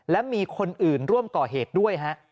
และมีคนอื่นร่วมก่อเหตุด้วยฮะ